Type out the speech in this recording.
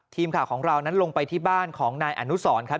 ทีมข่าวของเรานั้นลงไปที่บ้านของนายอนุสรครับ